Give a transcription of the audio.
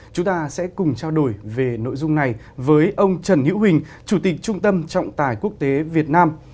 chúng ta sẽ cùng trao đổi về nội dung này với ông trần hữu huỳnh chủ tịch trung tâm trọng tài quốc tế việt nam